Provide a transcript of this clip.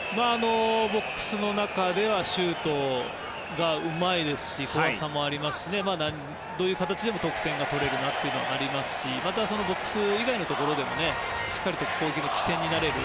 ボックスの中ではシュートがうまいですし怖さもありますしどういう形でも得点が取れるというのがありますしまた、ボックス以外のところでもしっかり攻撃の起点になれる。